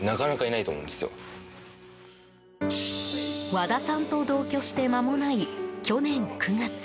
和田さんと同居してまもない去年９月。